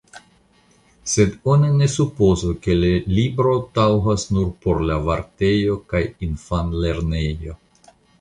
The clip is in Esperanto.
Sed oni ne supozu ke la libro taŭgas nur por la vartejo kaj infanlernejo.